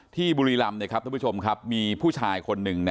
ที่บุรีรำม์มีผู้ชายคนหนึ่ง